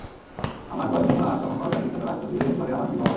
আমার বয়স যখন আট তখন পালসার বিখ্যাত রায়চৌধুরীদের ঘরে আমার বিবাহ হয়।